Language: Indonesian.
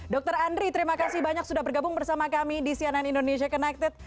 dr andri terima kasih banyak sudah bergabung bersama kami di cnn indonesia connected